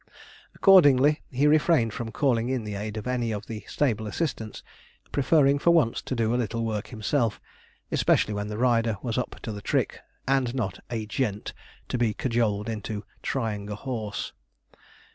Accordingly, he refrained from calling in the aid of any of the stable assistants, preferring for once to do a little work himself, especially when the rider was up to the trick, and not 'a gent' to be cajoled into 'trying a horse.'